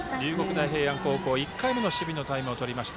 大平安高校１回目の守備のタイムを取りました。